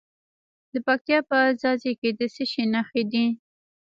د پکتیا په ځاځي کې د څه شي نښې دي؟